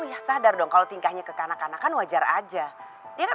makasih om rai ya